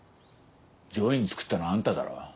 『ジョイン』作ったのあんただろ？